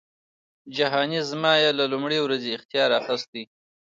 جهانی زما یې له لومړۍ ورځی اختیار اخیستی